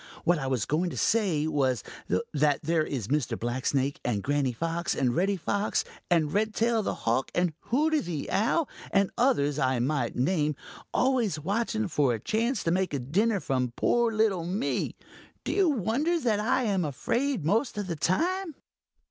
What I was going to say was that there is Mr. Blacksnake and Granny Fox and Reddy Fox and Redtail the Hawk and Hooty the Owl and others I might name, always watching for a chance to make a dinner from poor little me. Do you wonder that I am afraid most of the time?"